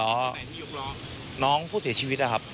ตอนนี้น้องผู้เสียชีวิตครับ